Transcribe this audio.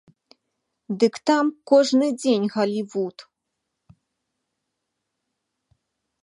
Дык там кожны дзень галівуд!